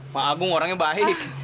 pak agung orangnya baik